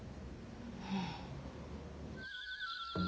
うん。